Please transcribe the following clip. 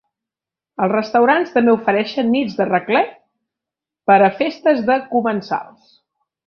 Els restaurants també ofereixen nits de raclet per a festes de comensals.